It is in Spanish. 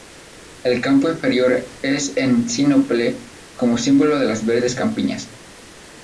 El campo inferior es en sinople, como símbolo de las verdes campiñas.